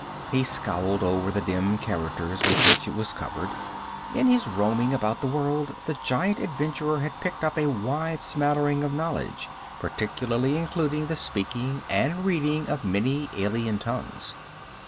He scowled over the dim characters with which it was covered. In his roaming about the world the giant adventurer had picked up a wide smattering of knowledge, particularly including the speaking and reading of many alien tongues.